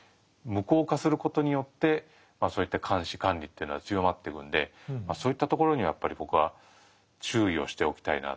無効化することによってそういった監視・管理っていうのは強まってくんでそういったところにやっぱり僕は注意をしておきたいな。